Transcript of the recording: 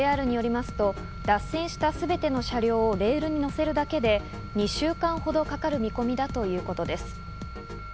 ＪＲによりますと脱線したすべての車両をレールに載せるだけで２週間ほどかかる見込みだということです。